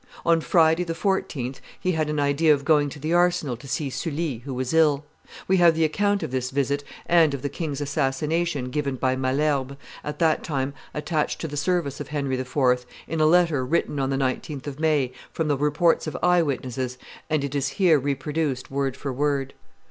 On Friday, the 14th, he had an idea of going to the Arsenal to see Sully, who was ill; we have the account of this visit and of the king's assassination given by Malherbe, at that time attached to the service of Henry IV., in a letter written on the 19th of May, from the reports of eye witnesses, and it is here reproduced, word for word.